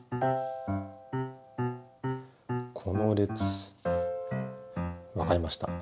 この列。わかりました。